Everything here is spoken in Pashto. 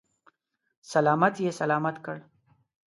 سلامت یې سلامت کړ.